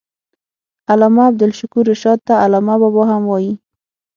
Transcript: علامه عبدالشکور رشاد ته علامه بابا هم وايي.